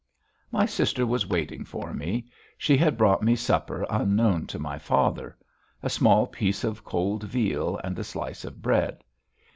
My sister was waiting for me. She had brought me supper unknown to my father; a small piece of cold veal and a slice of bread.